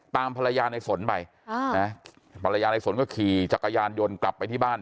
ตามภรรยาในสนไปภรรยาในสนก็ขี่จักรยานยนต์กลับไปที่บ้าน